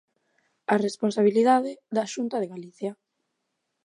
A responsabilidade, da Xunta de Galicia.